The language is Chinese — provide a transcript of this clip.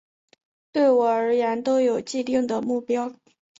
对我而言都有既定的目标